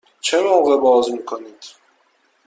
چه موقع باز می کنید؟